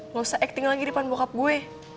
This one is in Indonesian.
gak usah acting lagi di depan bokap gue